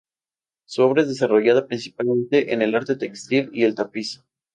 Su obra es desarrollada principalmente en el arte textil y el tapiz.